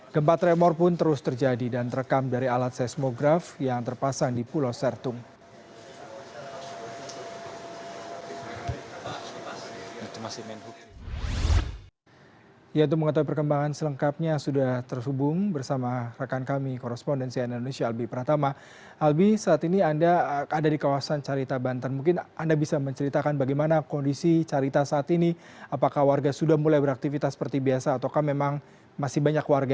gembat remor pun terus terjadi dan terekam dari alat seismograf yang terpasang di pulau sertung